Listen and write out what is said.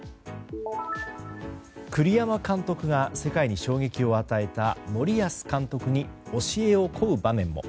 栗山監督が世界に衝撃を与えた森保監督に教えを乞う場面も。